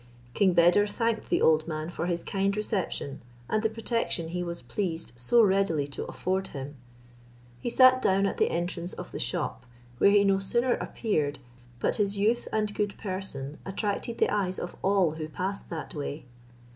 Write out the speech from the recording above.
King Beder thanked the old man for his kind reception, and the protection he was pleased so readily to afford him. He sat down at the entrance of the shop, where he no sooner appeared, but his youth and good person attracted the eyes of all who passed that way.